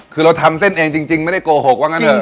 คือเราทำเส้นเองจริงไม่ได้โกหกว่างั้นเถอ